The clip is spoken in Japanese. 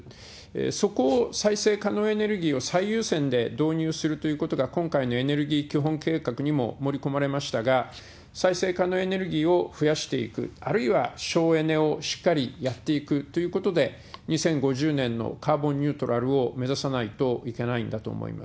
そこを再生可能エネルギーを最優先で導入するということが、今回のエネルギー基本計画にも盛り込まれましたが、再生可能エネルギーを増やしていく、あるいは省エネをしっかりやっていくということで、２０５０年のカーボンニュートラルを目指さないといけないんだと思います。